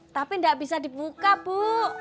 tapi tidak bisa dibuka bu